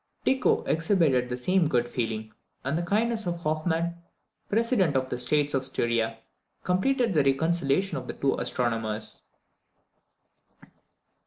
Tycho exhibited the same good feeling; and the kindness of Hoffman, President of the States of Styria, completed the reconciliation of the two astronomers.